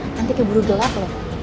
nanti keburu gelap loh